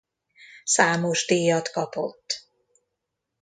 Számos díjat kapott.